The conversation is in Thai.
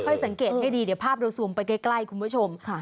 ค่อยสังเกตให้ดีหาภาพสูมไปใกล้คุณผู้ชม